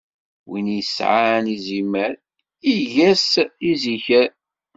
Wi isɛan izimer, iga-s iziker.